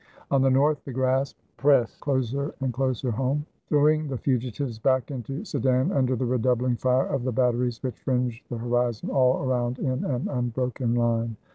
On the north the grasp pressed closer and closer home, throwing the fugi tives back into Sedan under the redoubling fire of the batteries which fringed the horizon all around in an un broken line.